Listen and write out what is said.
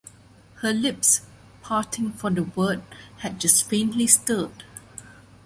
Her lips, parting for the word, had just faintly stirred.